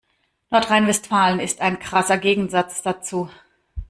Nordrhein-Westfalen ist ein krasser Gegensatz dazu.